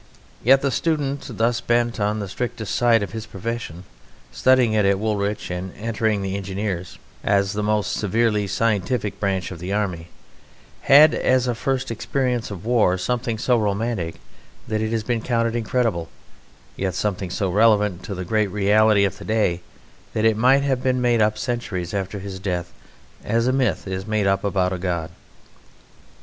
Yet the student thus bent on the strictest side of his profession, studying it at Woolwich and entering the Engineers as the most severely scientific branch of the army, had as a first experience of war something so romantic that it has been counted incredible, yet something so relevant to the great reality of to day that it might have been made up centuries after his death, as a myth is made up about a god.